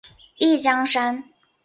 丽江杉